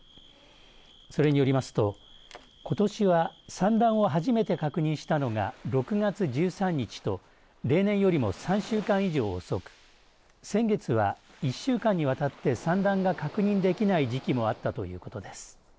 それによりますとことしは産卵を初めて確認したのが６月１３日と例年よりも３週間以上遅く先月は１週間にわたって産卵が確認できない時期もあったということです。